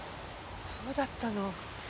そうだったの。